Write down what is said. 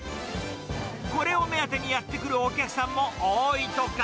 これを目当てにやって来るお客さんも多いとか。